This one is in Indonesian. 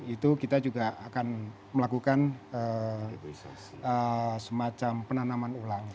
itu kita juga akan melakukan semacam penanaman ulang